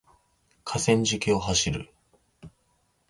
河川敷を走る